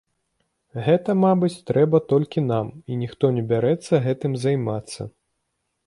Гэта, мабыць, трэба толькі нам і ніхто не бярэцца гэтым займацца.